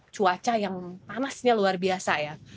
cuaca yang panasnya luar biasa ya